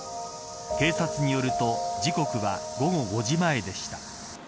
警察によると時刻は午後５時前でした。